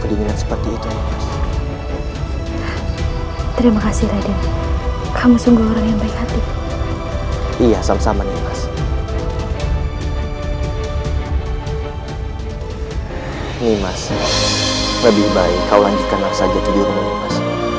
ini mas lebih baik kau lanjutkan langkah saja tujuh rumahmu mas